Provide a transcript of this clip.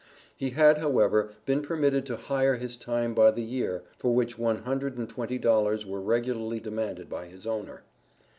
He had, however, been permitted to hire his time by the year, for which one hundred and twenty dollars were regularly demanded by his owner.